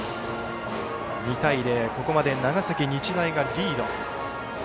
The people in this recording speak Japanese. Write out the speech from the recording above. ２対０とここまで長崎日大がリード。